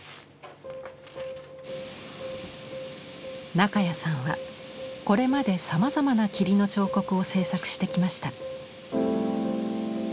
中谷さんはこれまでさまざまな「霧の彫刻」を制作してきました。